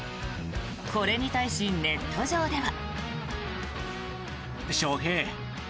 これに対し、ネット上では。